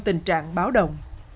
tình trạng báo động